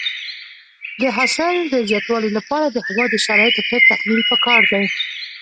د حاصل د زیاتوالي لپاره د هوا د شرایطو ښه تحلیل پکار دی.